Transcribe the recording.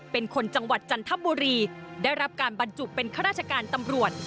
เป็นคนจังหวัดจันทบุรีได้รับการบรรจุเป็นข้าราชการตำรวจ